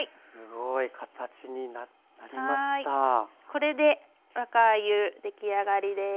これで若あゆ出来上がりです。